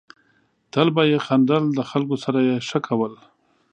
تل به یې خندل ، د خلکو سره یې ښه کول.